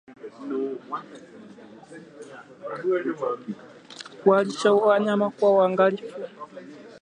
Kuwalisha wanyama kwa uangalifu